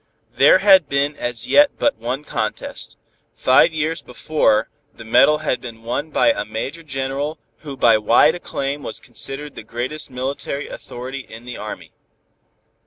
There had been as yet but one contest; five years before the medal had been won by a Major General who by wide acclaim was considered the greatest military authority in the Army.